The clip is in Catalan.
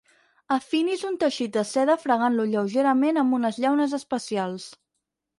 Afinis un teixit de seda fregant-lo lleugerament amb unes llaunes especials.